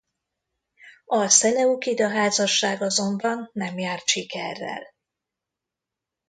A szeleukida házasság azonban nem járt sikerrel.